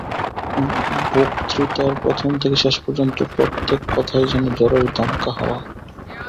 বক্তৃতার প্রথম থেকে শেষ পর্যন্ত প্রত্যেক কথায় যেন ঝড়ের দমকা হাওয়া।